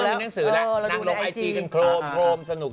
เดี๋ยวนี้ไม่ต้องมีหนังสือล่ะนั่งลงไอจีกันโครมสนุก